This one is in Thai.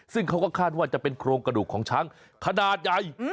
ซึ่งเขาก็คาดว่าจะเป็นโครงกระดูกของช้างขนาดใหญ่